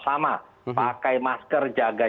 sama pakai masker jaga